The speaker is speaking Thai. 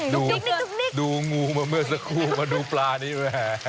ดูงูมาเมื่อสักครู่มาดูปลานี้แหม